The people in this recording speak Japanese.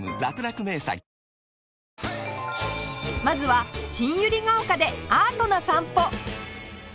まずは新百合ヶ丘でアートな散歩